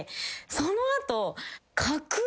その後。